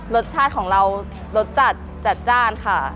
รสชาติของเรารสจัดจัดจ้านค่ะ